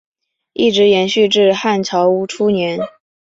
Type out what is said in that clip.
一直延续至汉朝初年。